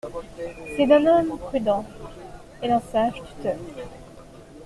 C’est d’un homme prudent et d’un sage tuteur.